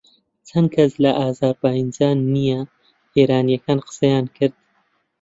چەند کەس لە ئازەربایجانییە ئێرانییەکان قسەیان کرد